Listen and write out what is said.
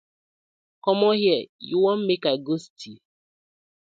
Comot here yu won mek I go thief?